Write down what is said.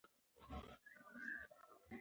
که پاکې اوبه وڅښو نو ګېډه نه درد کوي.